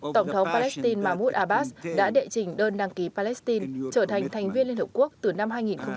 tổng thống palestine mahmoud abbas đã đệ trình đơn đăng ký palestine trở thành thành viên liên hợp quốc từ năm hai nghìn một mươi một